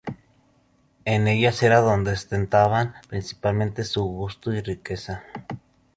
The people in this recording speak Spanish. En ellas era donde ostentaban principalmente su gusto y riqueza.